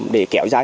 để kéo dài